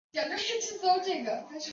结果帕欧拉便开始笑。